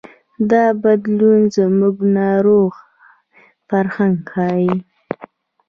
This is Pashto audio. دا بدلون زموږ ناروغ فرهنګ ښيي.